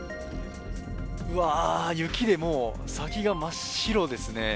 うわ、雪でもう先が真っ白ですね。